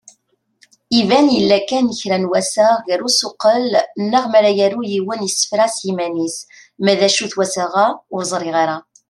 Iban yella kan kra n wassaɣ gar usuqel neɣ mara yaru yiwen isefra s yiman-is, ma d acu-t wassaɣ-a, ur ẓriɣ ara.